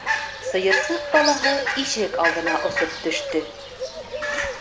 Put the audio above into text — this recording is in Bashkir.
Сыйырсыҡ балаһы ишек алдына осоп төштө.